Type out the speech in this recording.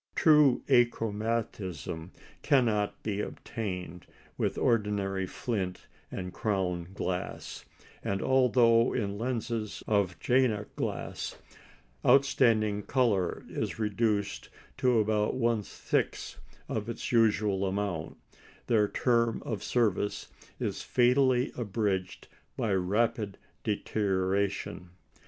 True achromatism cannot be obtained with ordinary flint and crown glass; and although in lenses of "Jena glass," outstanding colour is reduced to about one sixth its usual amount, their term of service is fatally abridged by rapid deterioration.